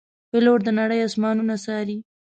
پیلوټ د نړۍ آسمانونه څاري.